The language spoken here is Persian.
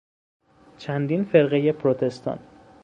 چندین فرقهی پروتستان